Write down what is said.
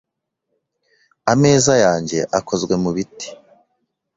Ameza yanjye akozwe mu biti .